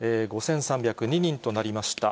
５３０２人となりました。